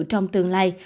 trong tương lai